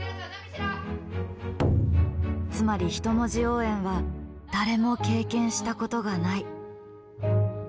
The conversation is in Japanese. つまり人文字応援は誰も経験したことがない。